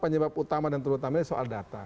penyebab utama dan terutama soal data